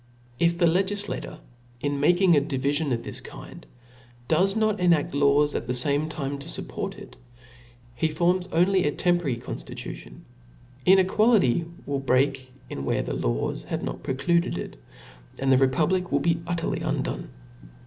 If the legiflator, in making a divifion of this kind, does not enaft laws at the fame time to fup port it, he forms only a temporary conftitutioii j inequality will break in where the laws have not precluded it, and the republic will be utterly' undone.